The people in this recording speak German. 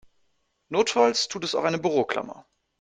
Notfalls tut es auch eine Büroklammer.